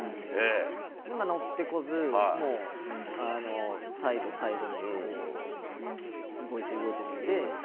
乗ってこず、もうサイド、サイドにこう動いて動いてなんで。